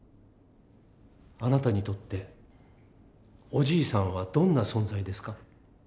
あなたにとっておじいさんはどんな存在ですか？